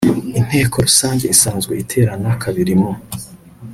Inteko Rusange isanzwe iterana kabiri mu